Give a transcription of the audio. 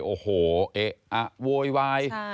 โอ้โหเอ๊ะอะโวยวาย